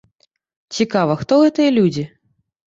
Цікава, хто гэтыя людзі?